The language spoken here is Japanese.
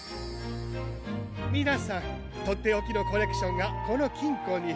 みなさんとっておきのコレクションがこのきんこに。